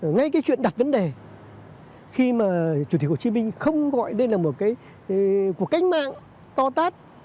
ngay cái chuyện đặt vấn đề khi mà chủ tịch hồ chí minh không gọi đây là một cái cuộc cách mạng co tát